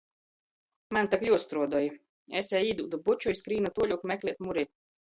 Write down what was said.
Maņ tok juostruodoj! es jai īdūdu buču i skrīnu tuoļuok meklēt Muri.